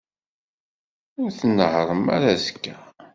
Ur tnehhṛem ara azekka.